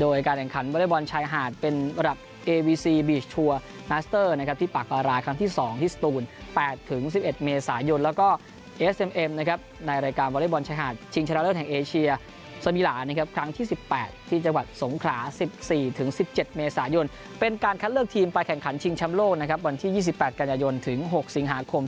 โดยการแข่งขันวอเล็กบอลชายหาดเป็นระดับเอวีซีบีชทัวร์มาสเตอร์นะครับที่ปากปราราคันที่สองที่สตูนแปดถึงสิบเอ็ดเมษายนแล้วก็เอสเอ็มเอ็มนะครับในรายการวอเล็กบอลชายหาดชิงชนะเลิศแห่งเอเชียสมีหลานะครับครั้งที่สิบแปดที่จังหวัดสงขราสิบสี่ถึงสิบเจ็ดเมษายนเป็นการคัดเลือกทีมไปแข่ง